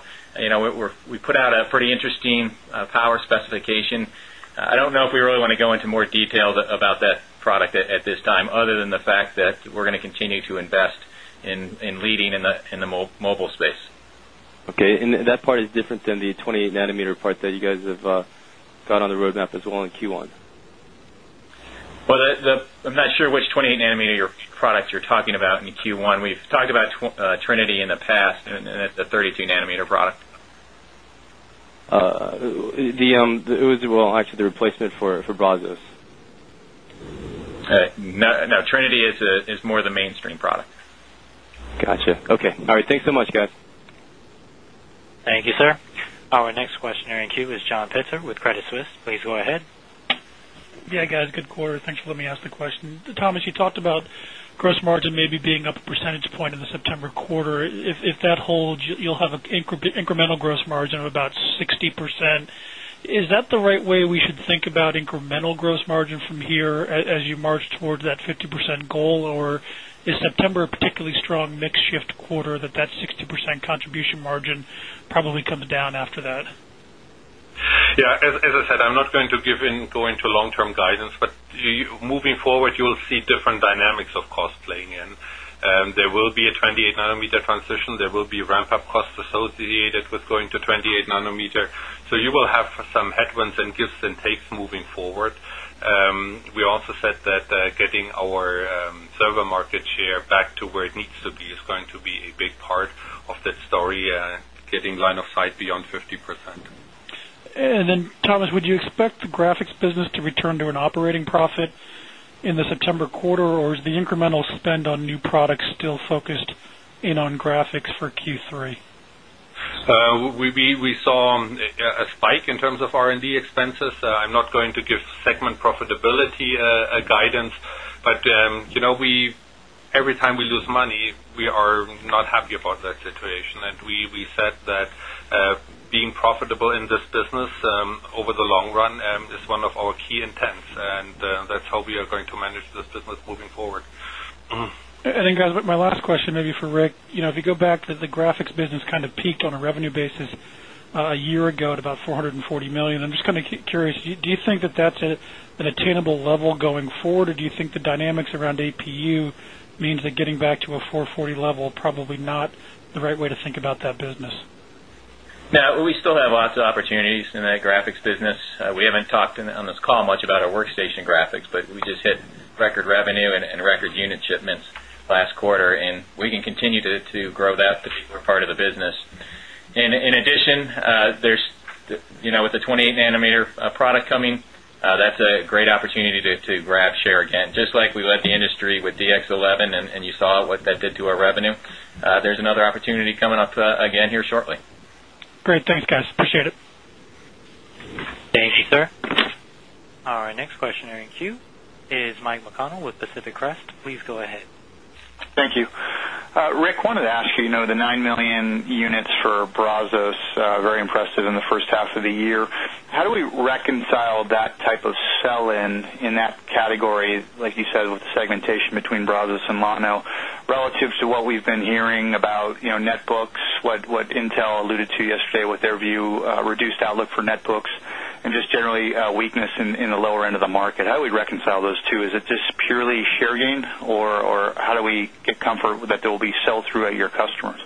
We put out a pretty interesting power specification. I don't know if we really want to go into more detail about that product at this time, other than the fact that we're going to continue to invest in leading in the mobile space. OK. That part is different than the 28 μm transition that you guys have got on the roadmap as well in Q1. I'm not sure which 28 μm product you're talking about in Q1. We've talked about Trinity in the past, and it's a 32 μm product. It was actually the replacement for Brazos. No. Trinity is more of the mainstream product. Gotcha. OK. All right. Thanks so much, guys. Thank you, sir. Our next questioner in queue is John Pitzer with Credit Suisse. Please go ahead. Yeah, guys. Good quarter. Thanks for letting me ask the question. Thomas, you talked about gross margin maybe being up a percentage point in the September quarter. If that holds, you'll have an incremental gross margin of about 60%. Is that the right way we should think about incremental gross margin from here as you march towards that 50% goal? Or is September a particularly strong mixed-shift quarter that that 60% contribution margin probably comes down after that? Yeah. As I said, I'm not going to go into long-term guidance. Moving forward, you will see different dynamics of cost playing in. There will be a 28 μm transition, and there will be ramp-up costs associated with going to 28-nanometer. You will have some headwinds and gifts and takes moving forward. We also said that getting our server market share back to where it needs to be is going to be a big part of that story, getting line of sight beyond 50%. Thomas, would you expect the graphics business to return to an operating profit in the September quarter? Is the incremental spend on new products still focused in on graphics for Q3? We saw a spike in terms of R&D expenses. I'm not going to give segment profitability guidance. Every time we lose money, we are not happy about that situation. We said that being profitable in this business over the long run is one of our key intents. That's how we are going to manage this business moving forward. My last question may be for Rick. If you go back, the graphics business kind of peaked on a revenue basis a year ago at about $440 million. I'm just kind of curious, do you think that that's an attainable level going forward? Do you think the dynamics around APU means that getting back to a $440 million level probably is not the right way to think about that business? Yeah. We still have lots of opportunities in that graphics business. We haven't talked on this call much about our workstation graphics, but we just hit record revenue and record unit shipments last quarter. We can continue to grow that particular part of the business. In addition, with the 28 μm product coming, that's a great opportunity to grab share again. Just like we led the industry with DirectX 11 and you saw what that did to our revenue, there's another opportunity coming up again here shortly. Great. Thanks, guys. Appreciate it. Thank you, sir. Our next questioner in queue is Michael McConnell with Pacific Crest. Please go ahead. Thank you. Rick, I wanted to ask you, you know the 9 million units for Brazos, very impressive in the first half of the year. How do we reconcile that type of sell-in in that category, like you said, with the segmentation between Brazos and Llano relative to what we've been hearing about netbooks, what Intel alluded to yesterday with their view, reduced outlook for netbooks, and just generally weakness in the lower end of the market? How do we reconcile those two? Is it just purely share gain? Or how do we get comfort with that they'll be sell-through at your customers?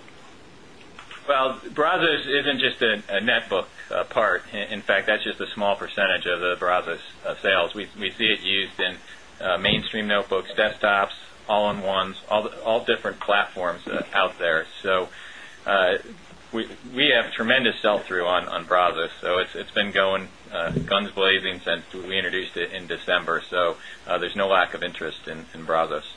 Bravos isn't just a netbook part. In fact, that's just a small percentage of the Bravos sales. We see it used in mainstream notebooks, desktops, all-in-ones, all different platforms out there. We have tremendous sell-through on Bravos, and it's been going guns blazing since we introduced it in December. There's no lack of interest in Bravos.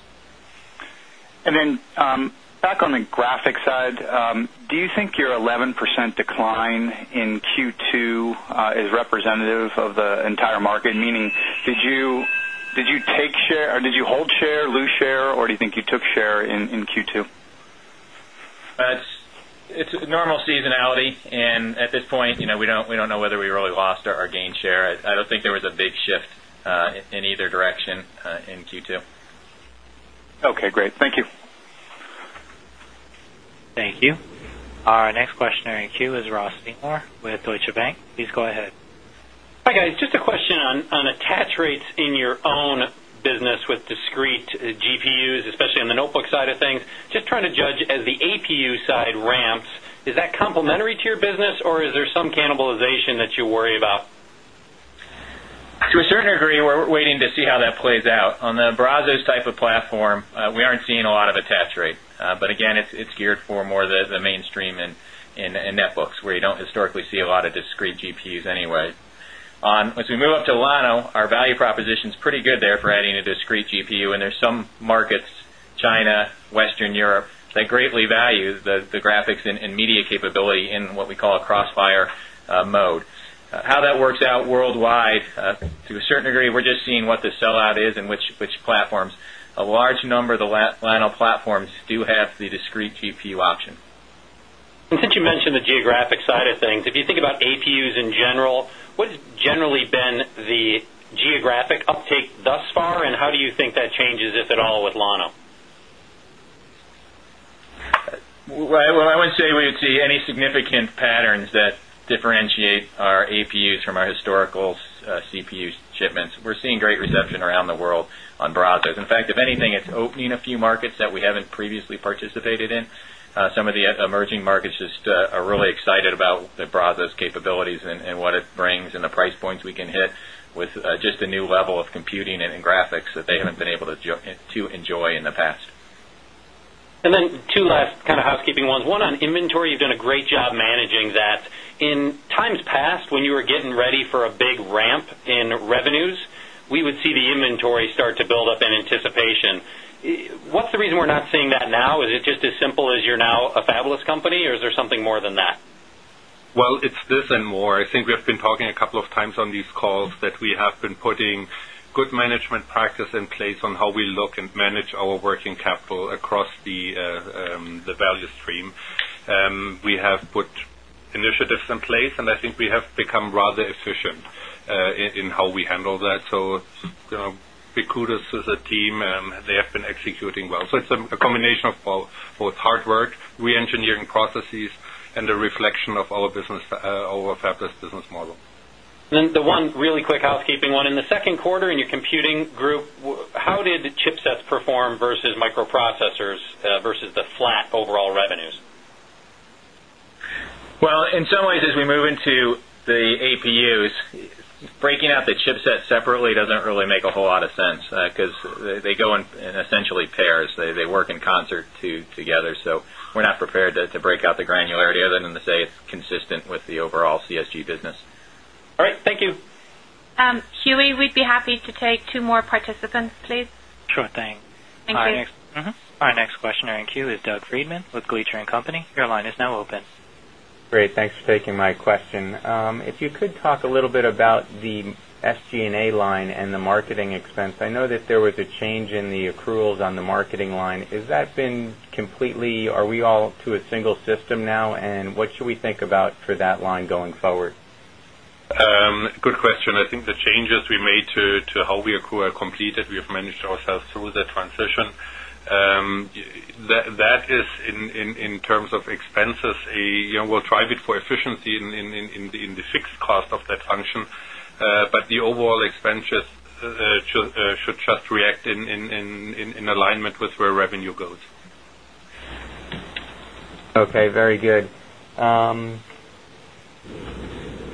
On the graphics side, do you think your 11% decline in Q2 is representative of the entire market? Meaning, did you take share or did you hold share, lose share, or do you think you took share in Q2? It's normal seasonality. At this point, we don't know whether we really lost or gained share. I don't think there was a big shift in either direction in Q2. OK. Great. Thank you. Thank you. Our next questioner in queue is Ross Seymore with Deutsche Bank. Please go ahead. Hi, guys. Just a question on attach rates in your own business with discrete GPUs, especially on the notebook side of things. Just trying to judge as the APU side ramps, is that complementary to your business, or is there some cannibalization that you worry about? To a certain degree, we're waiting to see how that plays out. On the Brazos type of platform, we aren't seeing a lot of attach rate. Again, it's geared for more the mainstream in netbooks where you don't historically see a lot of discrete GPUs anyway. As we move up to Llano, our value proposition is pretty good there for adding a discrete GPU. There's some markets, China, Western Europe, that greatly value the graphics and media capability in what we call a CrossFire mode. How that works out worldwide, to a certain degree, we're just seeing what the sell-out is and which platforms. A large number of the Llano platforms do have the discrete GPU option. Since you mentioned the geographic side of things, if you think about APUs in general, what has generally been the geographic uptake thus far, and how do you think that changes, if at all, with the A-series (Llano) platform? I wouldn't say we would see any significant patterns that differentiate our APUs from our historical CPU shipments. We're seeing great reception around the world on Brazos. In fact, if anything, it's opening a few markets that we haven't previously participated in. Some of the emerging markets just are really excited about Brazos' capabilities and what it brings and the price points we can hit with just a new level of computing and graphics that they haven't been able to enjoy in the past. Two last kind of housekeeping ones. One on inventory, you've done a great job managing that. In times past, when you were getting ready for a big ramp in revenues, we would see the inventory start to build up in anticipation. What's the reason we're not seeing that now? Is it just as simple as you're now a fabulous company, or is there something more than that? It is this and more. I think we have been talking a couple of times on these calls that we have been putting good management practice in place on how we look and manage our working capital across the value stream. We have put initiatives in place, and I think we have become rather efficient in how we handle that. Big kudos to the team. They have been executing well. It is a combination of both hard work, re-engineering processes, and the reflection of our fabulous business model. One really quick housekeeping question. In the second quarter in your computing group, how did chipsets perform versus microprocessors versus the flat overall revenues? As we move into the APUs, breaking out the chipset separately doesn't really make a whole lot of sense because they go in essentially pairs. They work in concert together. We're not prepared to break out the granularity of them and say it's consistent with the overall CSG business. All right. Thank you. Huey, we'd be happy to take two more participants, please. Sure thing. Thank you. Our next questioner in queue is Doug Freedman with Gleacher & Company. Your line is now open. Great. Thanks for taking my question. If you could talk a little bit about the SG&A line and the marketing expense, I know that there was a change in the accruals on the marketing line. Has that been completely—are we all to a single system now? What should we think about for that line going forward? Good question. I think the changes we made to how we accrue are completed. We have managed ourselves through the transition. That is in terms of expenses. We will drive it for efficiency in the fixed cost of that function. The overall expenses should just react in alignment with where revenue goes. OK. Very good.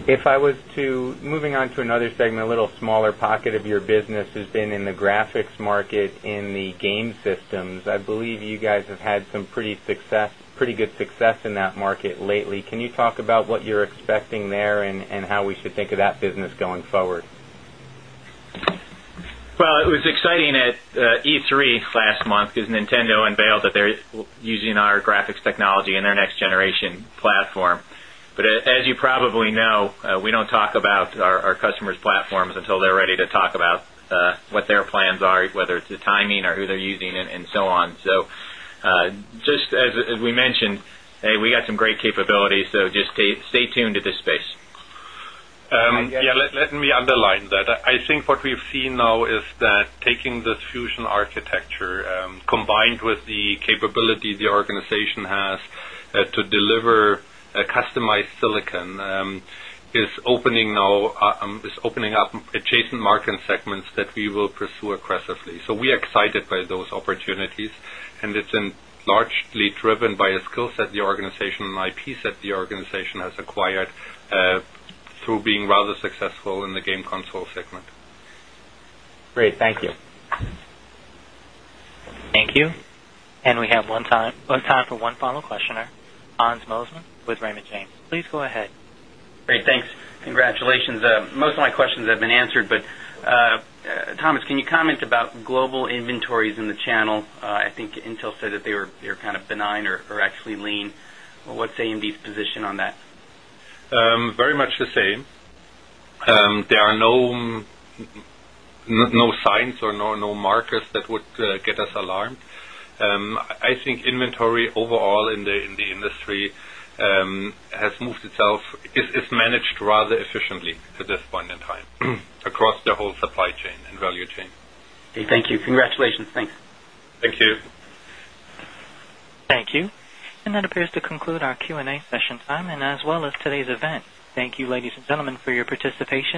If I was to move on to another segment, a little smaller pocket of your business is in the graphics market in the game systems. I believe you guys have had some pretty good success in that market lately. Can you talk about what you're expecting there and how we should think of that business going forward? It was exciting at E3 last month because Nintendo unveiled that they're using our graphics technology in their next-generation platform. As you probably know, we don't talk about our customers' platforms until they're ready to talk about what their plans are, whether it's the timing or who they're using and so on. As we mentioned, we got some great capabilities. Just stay tuned to this space. Yeah. Let me underline that. I think what we've seen now is that taking this Fusion System Architecture combined with the capability the organization has to deliver customized silicon is opening up adjacent market segments that we will pursue aggressively. We are excited by those opportunities, and it's largely driven by a skill set the organization and IP set the organization has acquired through being rather successful in the game console segment. Great. Thank you. Thank you. We have time for one final questioner. Hans Mosesmann with Raymond James. Please go ahead. Great. Thanks. Congratulations. Most of my questions have been answered. Thomas, can you comment about global inventories in the channel? I think Intel said that they were kind of benign or actually lean. What's AMD's position on that? Very much the same. There are no signs or no markers that would get us alarmed. I think inventory overall in the industry has moved itself, is managed rather efficiently to this point in time across the whole supply chain and value chain. Thank you. Congratulations. Thanks. Thank you. Thank you. That appears to conclude our Q&A session time, as well as today's event. Thank you, ladies and gentlemen, for your participation.